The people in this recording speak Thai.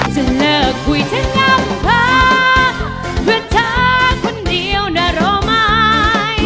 จะเลิกคุยฉันง่ำพาเพื่อนเธอคนเดียวนะรอไม้